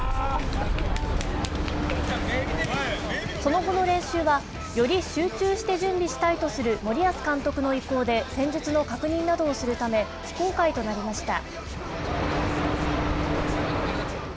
その後の練習は、より集中して準備したいとする森保監督の意向で、戦術の確認などをするため、非公開となりました。